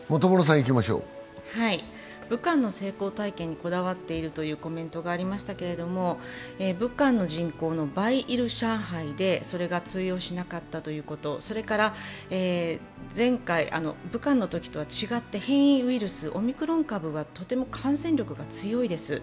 武漢の成功体験にこだわっているというコメントありましたけど武漢の人口の倍いる上海でそれが通用しなかったということ、それから、前回、武漢のときとは違って変異株、オミクロン株はとても感染力が強いです。